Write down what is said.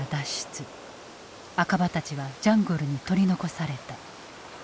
赤羽たちはジャングルに取り残された。